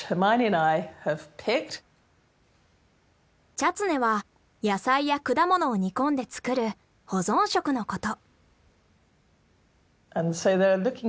チャツネは野菜や果物を煮込んで作る保存食のこと。